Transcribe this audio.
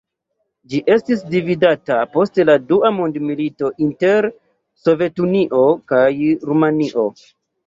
Ĝi estis dividita post la dua mondmilito inter Sovetunio kaj Rumanio.